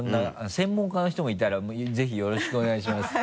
専門家の人もいたらぜひよろしくお願いします。